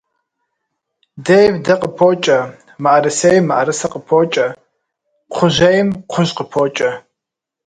Дейм дэ къыпокӏэ, мыӏэрысейм мыӏэрысэ къыпокӏэ, кхъужьейм кхъужь къыпокӏэ.